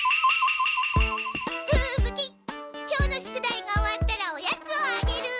今日の宿題が終わったらおやつをあげる！